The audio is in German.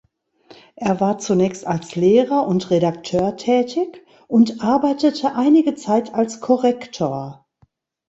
Er war zunächst als Lehrer und Redakteur tätig und arbeitete einige Zeit als Korrektor.